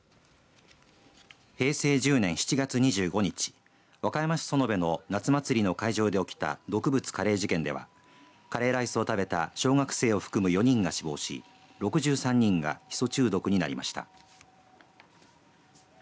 平成１０年７月２５日和歌山市園部の夏祭りの会場で起きた毒物カレー事件ではカレーライスを食べた小学生を含む４人が死亡し６３人がヒ素中毒になりました。